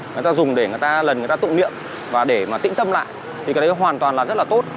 người ta dùng để người ta lần người ta tụ niệm và để mà tĩnh tâm lại thì cái đấy hoàn toàn là rất là tốt